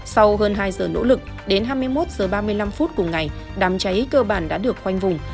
sau hơn hai giờ nỗ lực đến hai mươi một h ba mươi năm phút cùng ngày đám cháy cơ bản đã được khoanh vùng